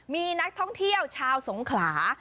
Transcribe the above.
มีนักท่องเที่ยวชาวสงขลา